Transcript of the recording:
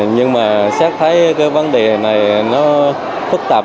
nhưng mà xét thấy cái vấn đề này nó phức tạp